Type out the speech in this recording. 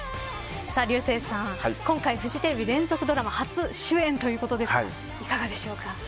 竜星さん、今回フジテレビ連続ドラマ初主演ということですがいかがですか。